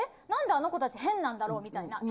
なんであの子たち、変なんだろうみたいな。